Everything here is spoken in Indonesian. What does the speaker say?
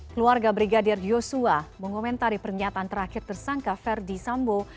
keluarga brigadir yosua mengomentari pernyataan terakhir tersangka verdi sambo